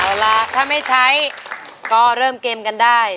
เอาล่ะถ้าไม่ใช้ก็เริ่มเกมกันได้